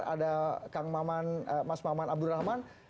ada kang maman mas maman abdurrahman